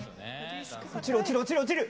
落ちる、落ちる、落ちる、落ちる。